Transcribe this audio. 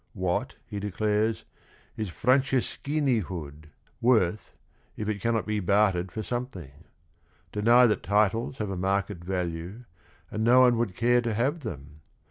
"What," he declares, is "Frances chinihood" worth if it oai mot be "Bartered Tor something ? Deny that titles have a market value, and no one would care to have them.